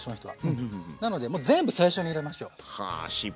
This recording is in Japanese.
なのでもう全部最初に入れましょう。